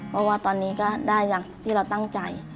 เพราะว่าตอนนี้ก็ได้อย่างที่เราตั้งใจ